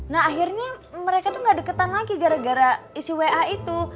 nah akhirnya mereka tuh gak deketan lagi gara gara isi wa itu